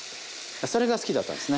それが好きだったんですね。